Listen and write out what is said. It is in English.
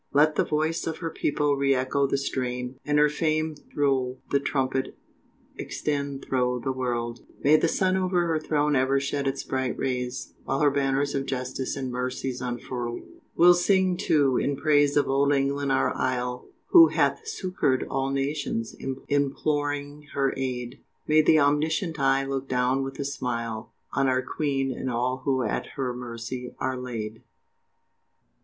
Let the voice of her people re echo the strain, And her fame thro' the trumpet extend thro' the World, May the sun over her throne ever shed its bright rays, While her Banners of Justice and Mercy's unfurl'd. We'll sing, too, in praise of Old England our Isle, Who hath succour'd all Nations imploring her aid, May that Omniscient Eye look down with a smile, On our Queen and all who at her Mercy are laid.